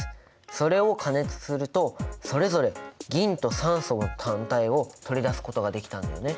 それを加熱するとそれぞれ銀と酸素の単体を取り出すことができたんだよね。